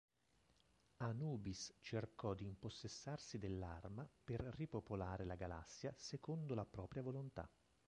Anubis cercò di impossessarsi dell'arma per ripopolare la galassia secondo la propria volontà.